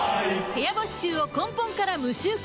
部屋干し臭を根本から無臭化